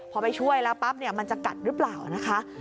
พอไปช่วยแล้วปั๊บเนี่ยมันจะกัดหรือเปล่านะคะ